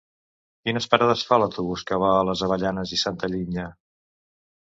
Quines parades fa l'autobús que va a les Avellanes i Santa Linya?